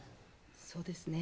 そうですね。